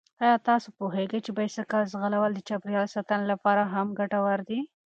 آیا تاسو پوهېږئ چې بايسکل ځغلول د چاپېریال ساتنې لپاره هم ګټور دي؟